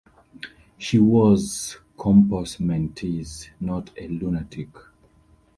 "She was "compos mentis", not a lunatic.